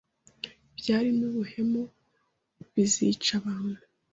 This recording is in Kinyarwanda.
Ishyari n'ubuhemu bizica abantu